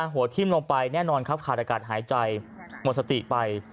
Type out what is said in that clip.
หัวทิ้มลงไปแน่นอนครับขาดอากาศหายใจหมดสติไป